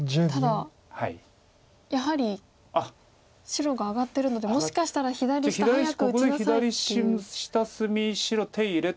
ただやはり白が上がってるのでもしかしたら「左下早く打ちなさい」っていう。